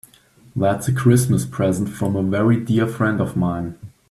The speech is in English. That's a Christmas present from a very dear friend of mine.